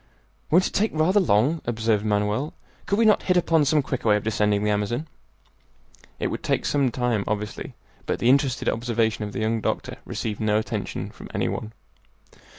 "Won't it take rather long?" observed Manoel; "could we not hit upon some quicker way of descending the Amazon?" It would take some time, obviously, but the interested observation of the young doctor received no attention from any one.